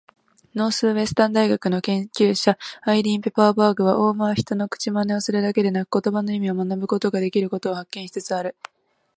ノースウエスタン大学の研究者、アイリーン・ペパーバーグは、オウムは人の口まねをするだけでなく言葉の意味を学ぶことができることを発見しつつある。